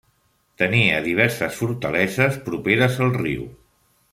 Tenia diverses fortaleses properes al riu.